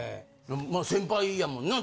まあ先輩やもんな？